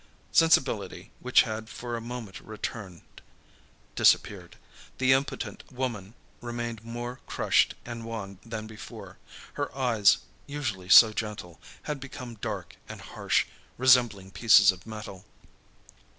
Sensibility which had for a moment returned, disappeared; the impotent woman remained more crushed and wan than before. Her eyes, usually so gentle, had become dark and harsh, resembling pieces of metal.